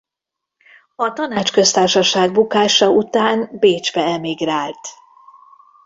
A Tanácsköztársaság bukása után Bécsbe emigrált.